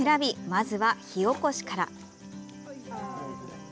まずは火おこしから。